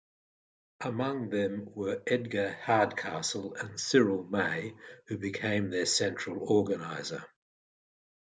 Among them were Edgar Hardcastle and Cyril May who became their central organiser.